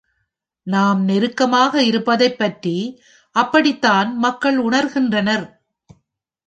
நாம் நெருக்கமாக இருப்பதைப் பற்றி அப்படித்தான் மக்கள் உணர்கின்றனர்.